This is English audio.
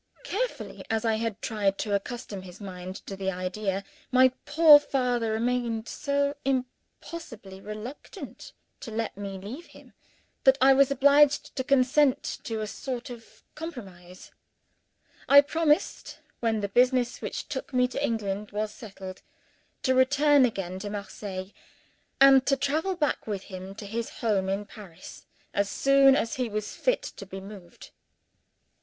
Carefully as I had tried to accustom his mind to the idea, my poor father remained so immovably reluctant to let me leave him, that I was obliged to consent to a sort of compromise. I promised, when the business which took me to England was settled, to return again to Marseilles, and to travel back with him to his home in Paris, as soon as he was fit to be moved.